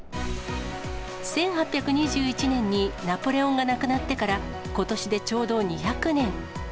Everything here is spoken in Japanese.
１８２１年にナポレオンが亡くなってから、ことしでちょうど２００年。